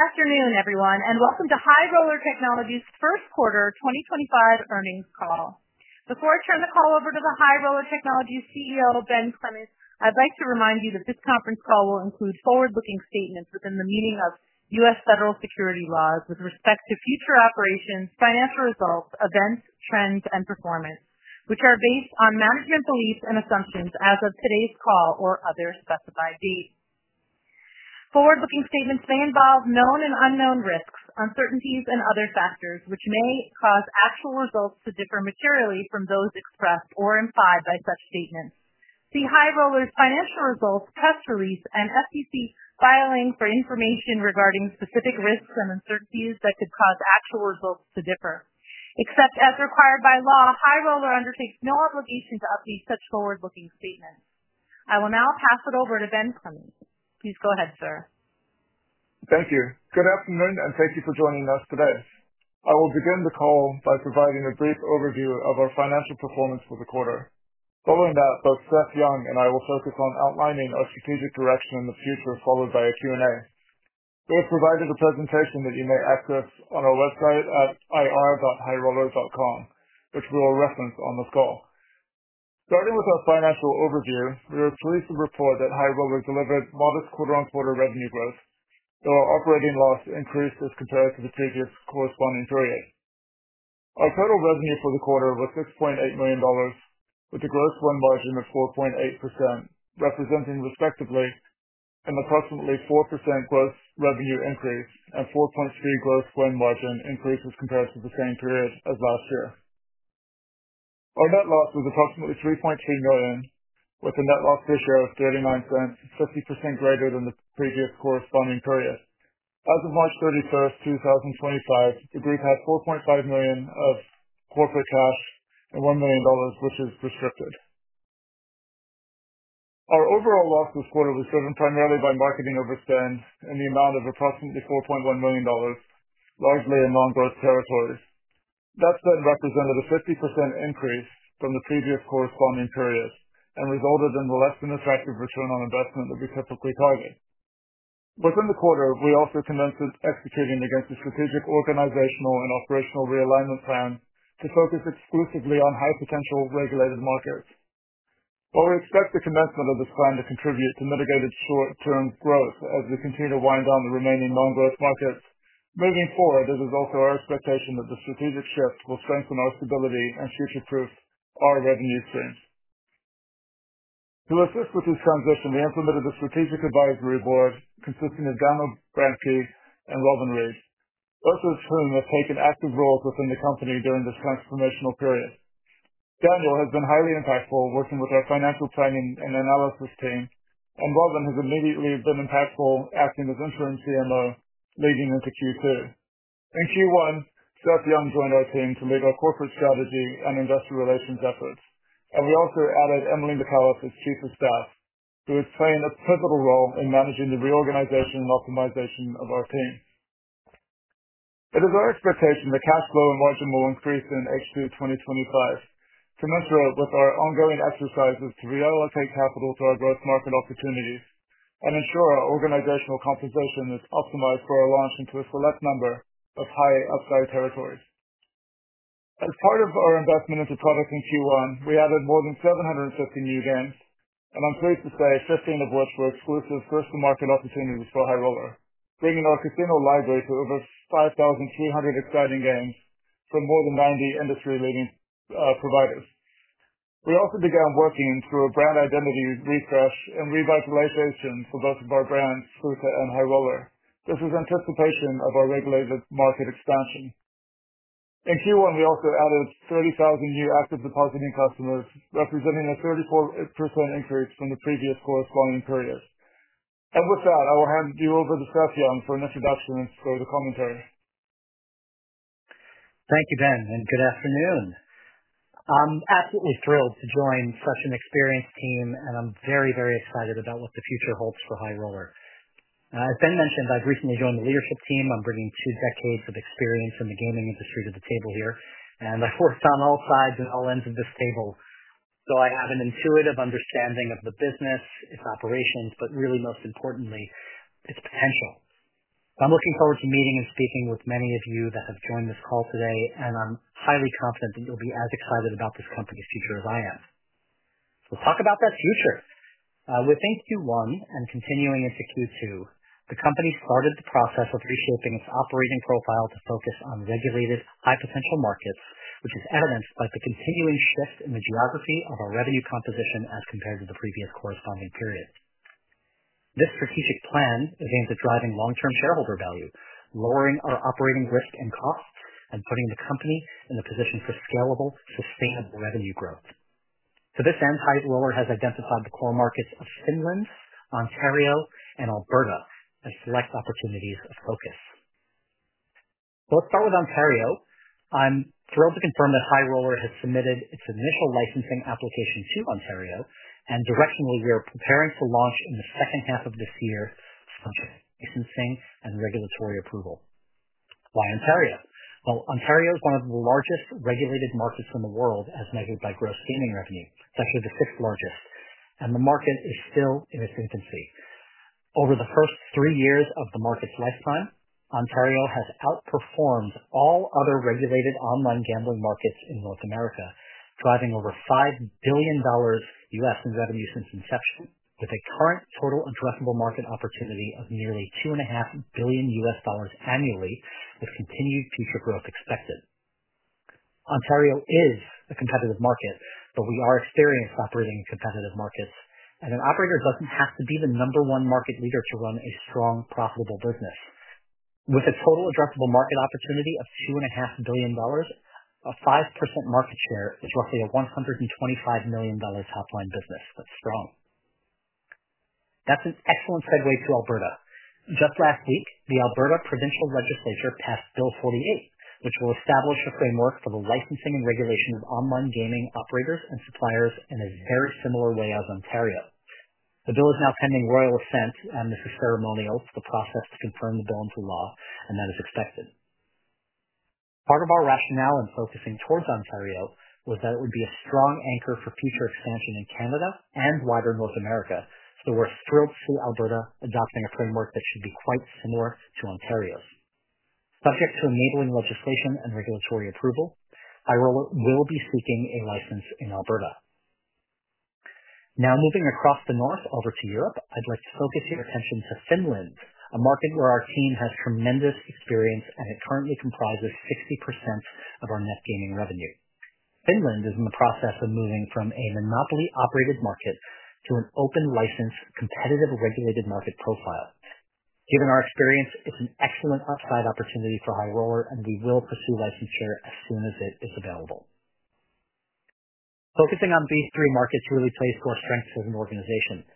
Good afternoon, everyone, and Welcome To High Roller Technologies' First Quarter 2025 Earnings Call. Before I turn the call over to the High Roller Technologies CEO, Ben Clemes, I'd like to remind you that this conference call will include forward-looking statements within the meaning of U.S. federal securities laws with respect to future operations, financial results, events, trends, and performance, which are based on management beliefs and assumptions as of today's call or other specified dates. Forward-looking statements may involve known and unknown risks, uncertainties, and other factors which may cause actual results to differ materially from those expressed or implied by such statements. The High Roller financial results press release and FTC filing for information regarding specific risks and uncertainties that could cause actual results to differ. Except as required by law, High Roller undertakes no obligation to update such forward-looking statements. I will now pass it over to Ben Clemes. Please go ahead, sir. Thank you. Good afternoon, and thank you for joining us today. I will begin the call by providing a brief overview of our financial performance for the quarter. Following that, both Seth Young and I will focus on outlining our strategic direction in the future, followed by a Q&A. We have provided a presentation that you may access on our website at ir.highroller.com, which we will reference on this call. Starting with our financial overview, we are pleased to report that High Roller delivered modest quarter-on-quarter revenue growth, though our operating loss increased as compared to the previous corresponding period. Our total revenue for the quarter was $6.8 million, with a gross win margin of 4.8%, representing respectively an approximately 4% gross revenue increase and 4.3% gross win margin increase as compared to the same period as last year. Our net loss was approximately $3.3 million, with a net loss ratio of $0.39, 50% greater than the previous corresponding period. As of March 31, 2025, the group had $4.5 million of corporate cash and $1 million, which is restricted. Our overall loss this quarter was driven primarily by marketing overspend in the amount of approximately $4.1 million, largely in non-growth territories. That spend represented a 50% increase from the previous corresponding period and resulted in the less than attractive return on investment that we typically target. Within the quarter, we also commenced executing against the strategic organizational and operational realignment plan to focus exclusively on high-potential regulated markets. While we expect the commencement of this plan to contribute to mitigated short-term growth as we continue to wind down the remaining non-growth markets, moving forward, it is also our expectation that the strategic shift will strengthen our stability and future-proof our revenue streams. To assist with this transition, we implemented a strategic advisory board consisting of Daniel Bransky and Robin Reed, both of whom have taken active roles within the company during this transformational period. Daniel has been highly impactful, working with our financial planning and analysis team, and Robin has immediately been impactful, acting as interim CMO leading into Q2. In Q1, Seth Young joined our team to lead our corporate strategy and investor relations efforts, and we also added Emily McAllister as Chief of Staff, who has played a pivotal role in managing the reorganization and optimization of our team. It is our expectation that cash flow and margin will increase in H2 2025, commensurate with our ongoing exercises to reallocate capital to our growth market opportunities and ensure our organizational compensation is optimized for our launch into a select number of high upside territories. As part of our investment into products in Q1, we added more than 750 new games, and I'm pleased to say 15 of which were exclusive first-to-market opportunities for High Roller, bringing our casino library to over 5,300 exciting games from more than 90 industry-leading providers. We also began working through a brand identity refresh and revitalization for both of our brands, Suka and High Roller. This is in anticipation of our regulated market expansion. In Q1, we also added 30,000 new active depositing customers, representing a 34% increase from the previous corresponding period. With that, I will hand you over to Seth Young for an introduction and further commentary. Thank you, Ben, and good afternoon. I'm absolutely thrilled to join such an experienced team, and I'm very, very excited about what the future holds for High Roller. As Ben mentioned, I've recently joined the leadership team. I'm bringing two decades of experience in the gaming industry to the table here, and I've worked on all sides and all ends of this table, so I have an intuitive understanding of the business, its operations, but really, most importantly, its potential. I'm looking forward to meeting and speaking with many of you that have joined this call today, and I'm highly confident that you'll be as excited about this company's future as I am. We'll talk about that future. Within Q1 and continuing into Q2, the company started the process of reshaping its operating profile to focus on regulated high-potential markets, which is evidenced by the continuing shift in the geography of our revenue composition as compared to the previous corresponding period. This strategic plan is aimed at driving long-term shareholder value, lowering our operating risk and costs, and putting the company in a position for scalable, sustainable revenue growth. To this end, High Roller has identified the core markets of Finland, Ontario, and Alberta as select opportunities of focus. Let's start with Ontario. I'm thrilled to confirm that High Roller has submitted its initial licensing application to Ontario, and directionally, we are preparing to launch in the second half of this year for licensing and regulatory approval. Why Ontario? Ontario is one of the largest regulated markets in the world as measured by gross gaming revenue. It's actually the sixth largest, and the market is still in its infancy. Over the first three years of the market's lifetime, Ontario has outperformed all other regulated online gambling markets in North America, driving over $5 billion U.S. in revenue since inception, with a current total addressable market opportunity of nearly $2.5 billion U.S. dollars annually, with continued future growth expected. Ontario is a competitive market, but we are experienced operating in competitive markets, and an operator doesn't have to be the number one market leader to run a strong, profitable business. With a total addressable market opportunity of $2.5 billion, a 5% market share is roughly a $125 million top-line business. That's strong. That's an excellent Segue to Alberta. Just last week, the Alberta Provincial Legislature passed Bill 48, which will establish a framework for the licensing and regulation of online gaming operators and suppliers in a very similar way as Ontario. The bill is now pending Royal Assent, and this is ceremonial. The process to confirm the bill into law, and that is expected. Part of our rationale in focusing towards Ontario was that it would be a strong anchor for future expansion in Canada and wider North America, so we're thrilled to see Alberta adopting a framework that should be quite similar to Ontario's. Subject to enabling legislation and regulatory approval, High Roller will be seeking a license in Alberta. Now, moving across the north over to Europe, I'd like to focus your attention to Finland, a market where our team has tremendous experience, and it currently comprises 60% of our net gaming revenue. Finland is in the process of moving from a monopoly-operated market to an open license, competitive regulated market profile. Given our experience, it's an excellent upside opportunity for High Roller, and we will pursue licensure as soon as it is available. Focusing on these three markets really plays to our strengths as an organization.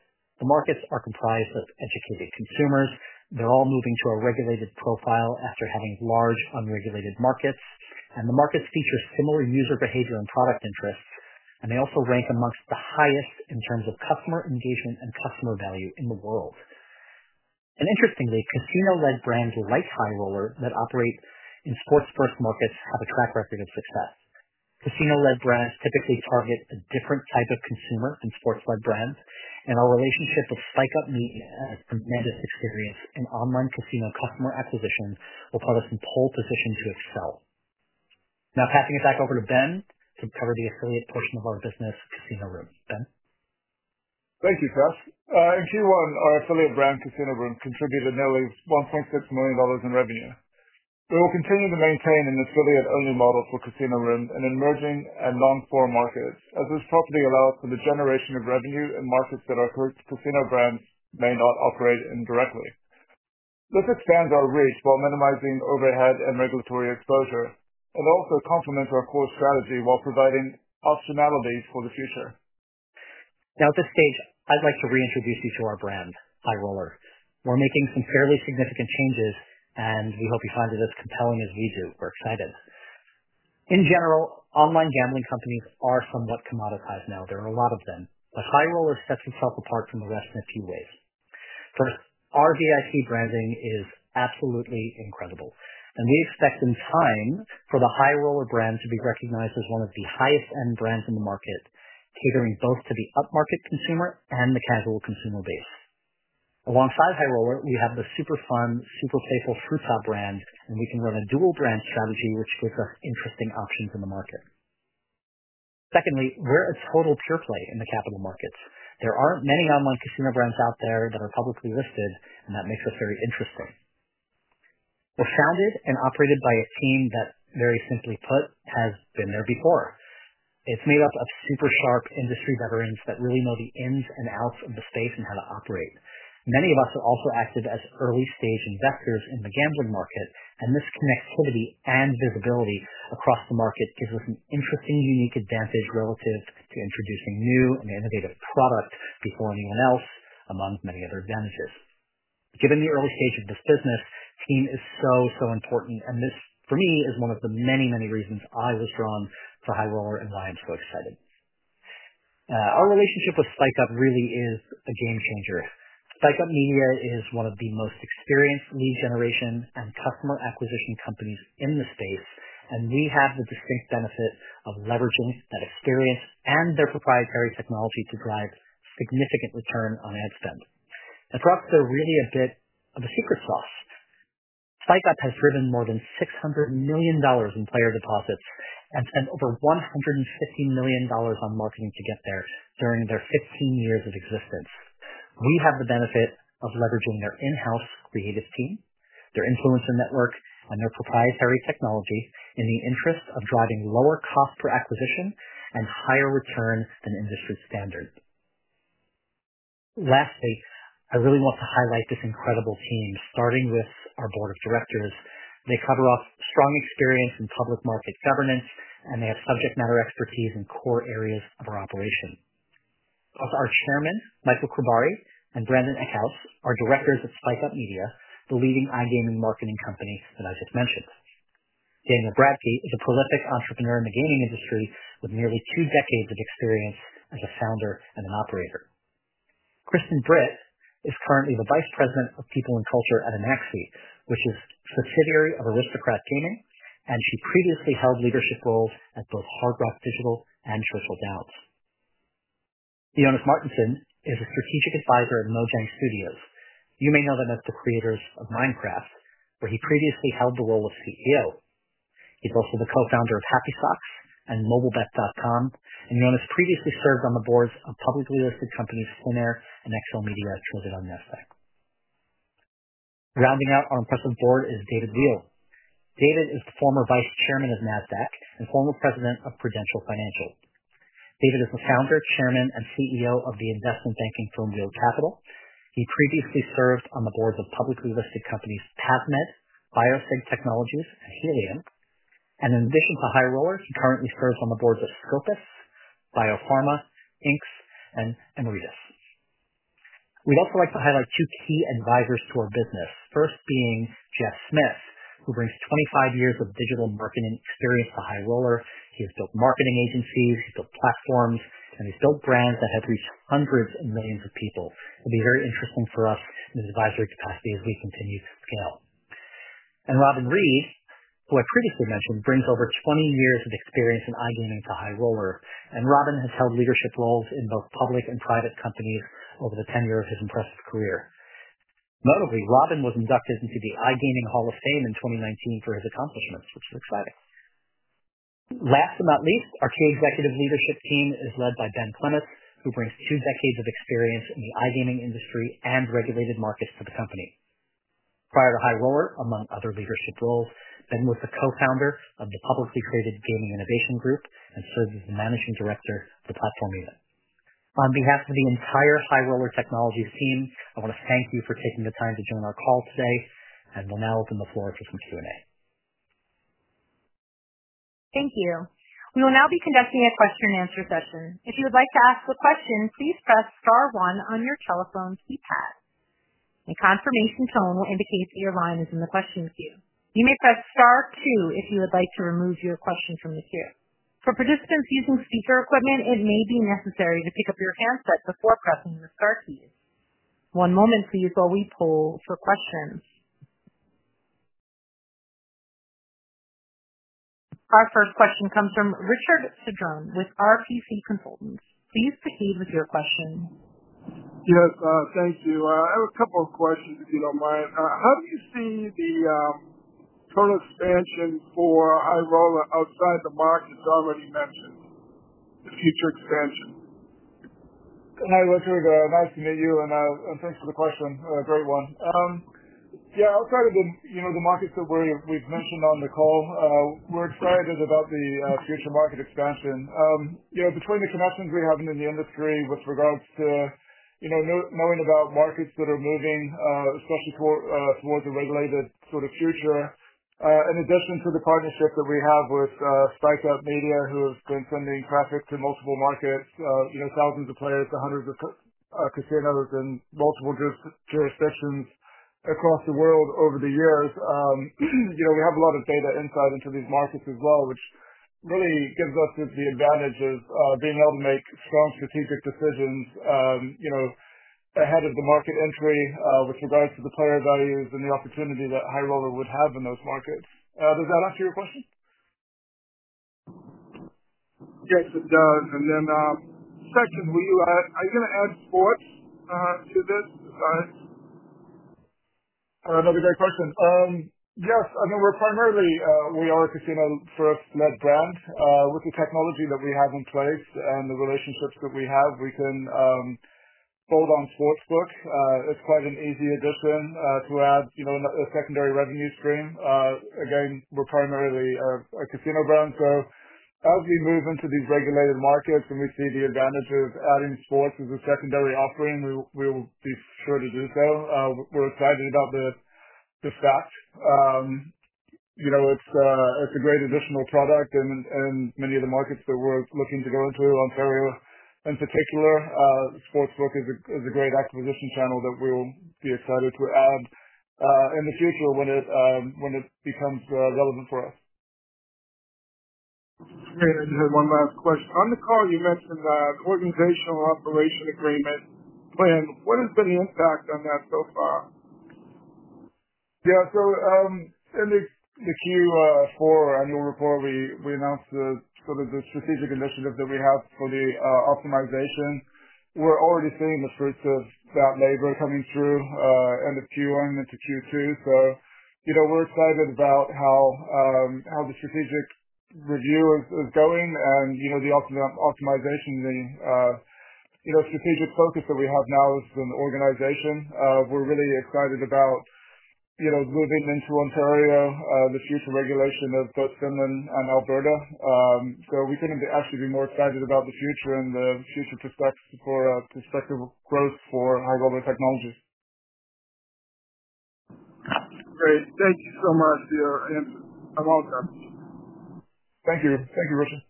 The markets are comprised of educated consumers. They're all moving to a regulated profile after having large unregulated markets, and the markets feature similar user behavior and product interests, and they also rank amongst the highest in terms of customer engagement and customer value in the world. Interestingly, casino-led brands like High Roller that operate in sports-first markets have a track record of success. Casino-led brands typically target a different type of consumer than sports-led brands, and our relationship with Spike Up, with its tremendous experience in online casino customer acquisition, will put us in pole position to excel. Now, passing it back over to Ben to cover the affiliate portion of our business, Casino Room. Ben. Thank you, Seth. In Q1, our affiliate brand, Casino Room, contributed nearly $1.6 million in revenue. We will continue to maintain an affiliate-only model for Casino Room in emerging and non-core markets, as this property allows for the generation of revenue in markets that our casino brands may not operate in directly. This expands our reach while minimizing overhead and regulatory exposure, and also complements our core strategy while providing optionalities for the future. Now, at this stage, I'd like to reintroduce you to our brand, High Roller. We're making some fairly significant changes, and we hope you find it as compelling as we do. We're excited. In general, online gambling companies are somewhat commoditized now. There are a lot of them, but High Roller sets itself apart from the rest in a few ways. First, our VIP branding is absolutely incredible, and we expect in time for the High Roller brand to be recognized as one of the highest-end brands in the market, catering both to the upmarket consumer and the casual consumer base. Alongside High Roller, we have the super fun, super faithful Fruit Top brand, and we can run a dual-brand strategy, which gives us interesting options in the market. Secondly, we're a total pure play in the capital markets. There aren't many online casino brands out there that are publicly listed, and that makes us very interesting. We're founded and operated by a team that, very simply put, has been there before. It's made up of super sharp industry veterans that really know the ins and outs of the space and how to operate. Many of us have also acted as early-stage investors in the gambling market, and this connectivity and visibility across the market gives us an interesting, unique advantage relative to introducing new and innovative product before anyone else, among many other advantages. Given the early stage of this business, team is so, so important, and this, for me, is one of the many, many reasons I was drawn to High Roller and why I'm so excited. Our relationship with Spike Up really is a game changer. Spike Up Media is one of the most experienced lead generation and customer acquisition companies in the space, and we have the distinct benefit of leveraging that experience and their proprietary technology to drive significant return on ad spend. For us, they're really a bit of a secret sauce. Spike Up has driven more than $600 million in player deposits and spent over $150 million on marketing to get there during their 15 years of existence. We have the benefit of leveraging their in-house creative team, their influencer network, and their proprietary technology in the interest of driving lower cost per acquisition and higher return than industry standard. Lastly, I really want to highlight this incredible team, starting with our board of directors. They cover off strong experience in public market governance, and they have subject matter expertise in core areas of our operation. Plus, our Chairman, Michael Kobari, and Brandon Eckouse are directors at Spike Up Media, the leading iGaming marketing company that I just mentioned. Daniel Bransky is a prolific entrepreneur in the gaming industry with nearly two decades of experience as a founder and an operator. Kristen Britt is currently the Vice President of People and Culture at Amaxi, which is a subsidiary of Aristocrat Gaming, and she previously held leadership roles at both Hard Rock Digital and Churchill Downs. Eonis Martinson is a strategic advisor at Mojang Studios. You may know them as the creators of Minecraft, where he previously held the role of CEO. He's also the co-founder of Happy Socks and MobileBet.com, and Eonis previously served on the boards of publicly listed companies Finnair and Excel Media traded on Nasdaq. Rounding out our impressive board is David Wheel. David is the former vice chairman of Nasdaq and former president of Prudential Financial. David is the founder, chairman, and CEO of the investment banking firm Wheel Capital. He previously served on the boards of publicly listed companies PavMed, BioSig Technologies, and Helium. In addition to High Roller, he currently serves on the boards of Scopus, BioPharma, Inc and Emeritus. We'd also like to highlight two key advisors to our business, first being Jeff Smith, who brings 25 years of digital marketing experience to High Roller. He has built marketing agencies, he's built platforms, and he's built brands that have reached hundreds of millions of people. It'll be very interesting for us in his advisory capacity as we continue to scale. Robin Reed, who I previously mentioned, brings over 20 years of experience in iGaming to High Roller. Robin has held leadership roles in both public and private companies over the tenure of his impressive career. Notably, Robin was inducted into the iGaming Hall of Fame in 2019 for his accomplishments, which is exciting. Last but not least, our key executive leadership team is led by Ben Clemes, who brings two decades of experience in the iGaming industry and regulated markets to the company. Prior to High Roller, among other leadership roles, Ben was the co-founder of the publicly traded Gaming Innovation Group and served as the managing director of the platform unit. On behalf of the entire High Roller Technologies team, I want to thank you for taking the time to join our call today, and we'll now open the floor for some Q&A. Thank you. We will now be conducting a question-and-answer session. If you would like to ask a question, please press Star 1 on your telephone keypad. A confirmation tone will indicate that your line is in the question queue. You may press Star 2 if you would like to remove your question from the queue. For participants using speaker equipment, it may be necessary to pick up your handset before pressing the Star keys. One moment, please, while we poll for questions. Our first question comes from Richard Cedrone with RPC Consultants. Please proceed with your question. Yes, thank you. I have a couple of questions, if you don't mind. How do you see the total expansion for High Roller outside the markets already mentioned, the future expansion? Hi Richard, nice to meet you, and thanks for the question. Great one. Yeah, outside of the markets that we've mentioned on the call, we're excited about the future market expansion. Between the connections we have in the industry with regards to knowing about markets that are moving, especially towards a regulated sort of future, in addition to the partnership that we have with Spike Up Media, who has been sending traffic to multiple markets, thousands of players, hundreds of casinos, and multiple jurisdictions across the world over the years, we have a lot of data insight into these markets as well, which really gives us the advantage of being able to make strong strategic decisions ahead of the market entry with regards to the player values and the opportunity that High Roller would have in those markets. Does that answer your question? Yes, it does. Then second, are you going to add sports to this? Another great question. Yes, I mean, we're primarily a casino-first-led brand. With the technology that we have in place and the relationships that we have, we can build on Sportsbook. It's quite an easy addition to add a secondary revenue stream. Again, we're primarily a casino brand. As we move into these regulated markets and we see the advantage of adding sports as a secondary offering, we will be sure to do so. We're excited about the fact. It's a great additional product in many of the markets that we're looking to go into, Ontario in particular. Sportsbook is a great acquisition channel that we'll be excited to add in the future when it becomes relevant for us. Great. I just had one last question. On the call, you mentioned the organizational operation agreement plan. What has been the impact on that so far? Yeah, so in the Q4 annual report, we announced sort of the strategic initiative that we have for the optimization. We're already seeing the fruits of that labor coming through end of Q1 into Q2. We are excited about how the strategic review is going and the optimization, the strategic focus that we have now as an organization. We are really excited about moving into Ontario, the future regulation of both Finland and Alberta. We could not actually be more excited about the future and the future perspective for High Roller Technologies. Great. Thank you so much for your answers. I'm all set. Thank you. Thank you, Richard.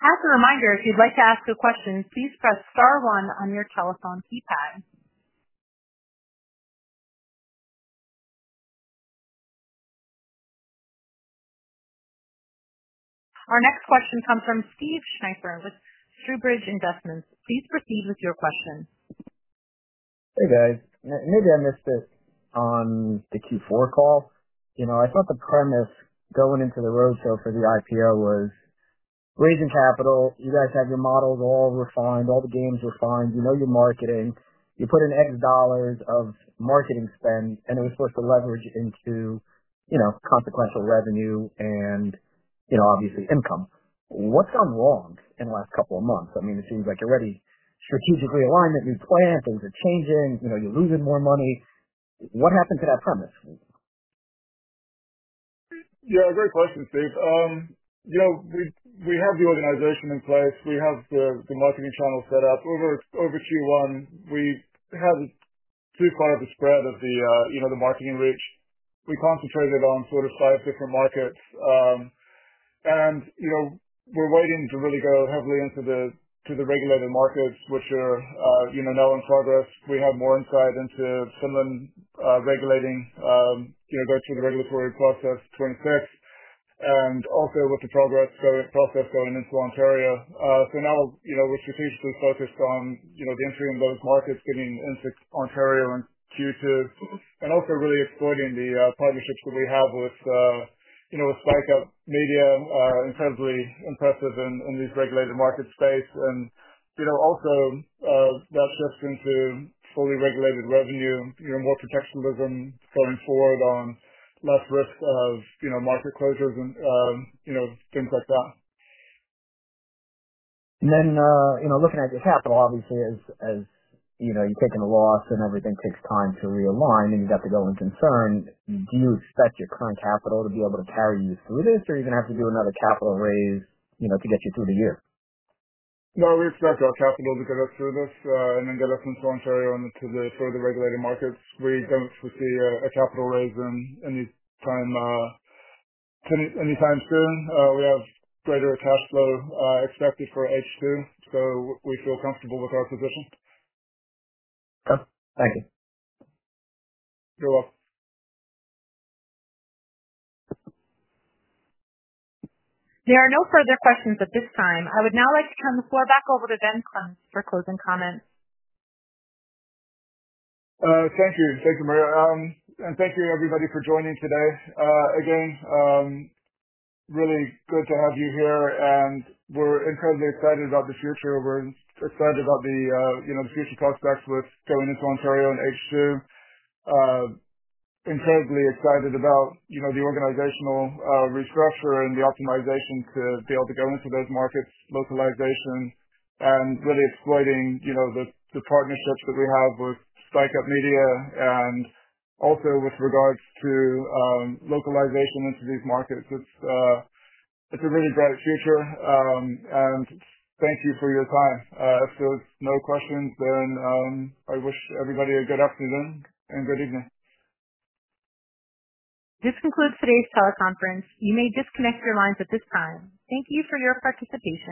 As a reminder, if you'd like to ask a question, please press Star 1 on your telephone keypad. Our next question comes from Steve Schneifer with Stu Bridge Investments. Please proceed with your question. Hey, guys. Maybe I missed it on the Q4 call. I thought the premise going into the roadshow for the IPO was raising capital. You guys have your models all refined, all the games refined. You know your marketing. You put in X dollars of marketing spend, and it was supposed to leverage into consequential revenue and obviously income. What's gone wrong in the last couple of months? I mean, it seems like you're already strategically aligned that new plan. Things are changing. You're losing more money. What happened to that premise? Yeah, great question, Steve. We have the organization in place. We have the marketing channel set up. Over Q1, we had too far of a spread of the marketing reach. We concentrated on sort of five different markets. We are waiting to really go heavily into the regulated markets, which are now in progress. We have more insight into Finland regulating, going through the regulatory process 2026, and also with the progress process going into Ontario. We are strategically focused on the entry in those markets, getting into Ontario in Q2, and also really exploiting the partnerships that we have with Spike Up Media, incredibly impressive in these regulated market space. Also, that shift into fully regulated revenue, more protectionism going forward on less risk of market closures and things like that. Looking at your capital, obviously, as you're taking a loss and everything takes time to realign, then you've got to go and concern. Do you expect your current capital to be able to carry you through this, or are you going to have to do another capital raise to get you through the year? No, we expect our capital to get us through this and then get us into Ontario and into the further regulated markets. We do not foresee a capital raise any time soon. We have greater cash flow expected for H2, so we feel comfortable with our position. Okay. Thank you. You're welcome. There are no further questions at this time. I would now like to turn the floor back over to Ben Clemes for closing comments. Thank you. Thank you, Maria. Thank you, everybody, for joining today. Again, really good to have you here, and we're incredibly excited about the future. We're excited about the future prospects with going into Ontario in H2. Incredibly excited about the organizational restructure and the optimization to be able to go into those markets, localization, and really exploiting the partnerships that we have with Spike Up Media and also with regards to localization into these markets. It's a really bright future, and thank you for your time. If there's no questions, then I wish everybody a good afternoon and good evening. This concludes today's teleconference. You may disconnect your lines at this time. Thank you for your participation.